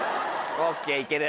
ＯＫいける。